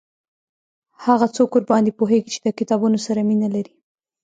هغه څوک ورباندي پوهیږي چې د کتابونو سره مینه لري